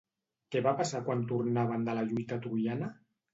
Què va passar quan tornaven de la lluita troiana?